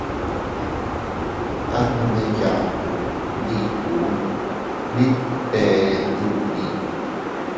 At nome yaku, ndibuu, mite btere tummi.